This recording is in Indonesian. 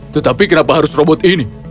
tetapi kenapa harus robot ini